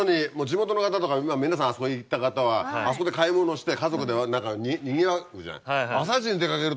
地元の方とか皆さんあそこに行った方はあそこで買い物して家族でにぎわうじゃん。